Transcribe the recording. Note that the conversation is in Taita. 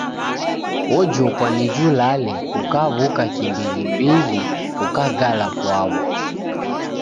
Ojokwa ni julale, ukaw’uka kimbighimbighi, ukagala pwaw’o.